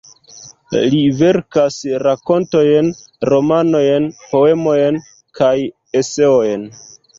Li verkas rakontojn, romanojn, poemojn kaj eseojn.